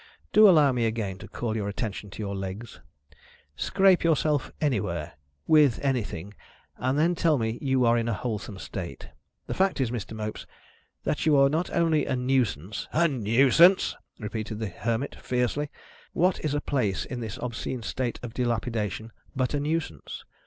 Do allow me again to call your attention to your legs. Scrape yourself anywhere with anything and then tell me you are in a wholesome state. The fact is, Mr. Mopes, that you are not only a Nuisance " "A Nuisance?" repeated the Hermit, fiercely. "What is a place in this obscene state of dilapidation but a Nuisance?